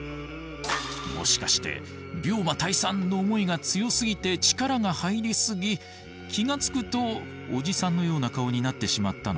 もしかして病魔退散の思いが強すぎて力が入りすぎ気が付くとオジサンのような顔になってしまったのかも。